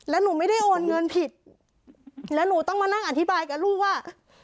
แล้วหนูไม่ได้โอนเงินผิดแล้วหนูต้องมานั่งอธิบายกับลูกว่า